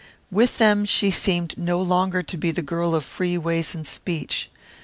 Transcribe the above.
With them she seemed no longer to be the girl of free ways and speech.